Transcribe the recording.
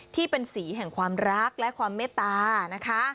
ที่เป็นสีแห่งความรักและความเมตตานะคะ